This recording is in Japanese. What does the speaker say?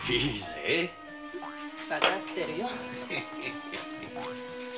わかってるよ。